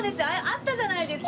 あったじゃないですか！